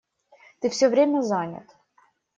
Ты всё время занят.